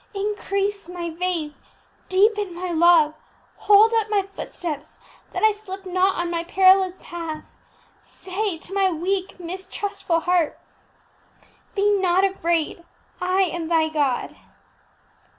Increase my faith, deepen my love; hold up my footsteps, that I slip not on my perilous path; say to my weak, mistrustful heart, _Be not afraid; I am thy God!